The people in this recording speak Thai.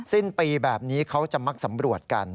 สิ้นปีแบบนี้เขาจะมักสำรวจกัน